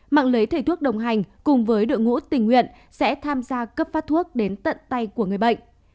mạng lưới thầy thuốc đồng hành cùng với đội ngũ tình nguyện sẽ tham gia cấp phát thuốc đến tận tay của người bệnh